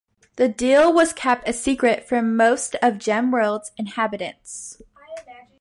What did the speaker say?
This deal was kept a secret from most of Gemworld's inhabitants.